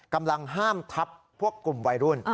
กำลังห้ามทับพวกกลุ่มวัยรุ่น